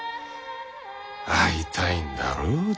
会いたいんだろう